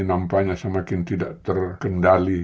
nampaknya semakin tidak terkendali